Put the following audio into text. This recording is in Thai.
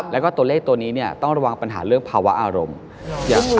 และก็เลขตัวนี้ต้องระวังปัญหาเรื่องภาวะอารมณ์